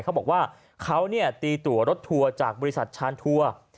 เขาบอกว่าเขาตีตัวรถทัวร์จากบริษัทชานทัวร์